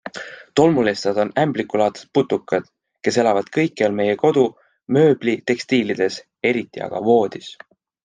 Tolmulestad on ämblikulaadsed putukad, kes elavad kõikjal meie kodu mööblitekstiilides, eriti aga voodis.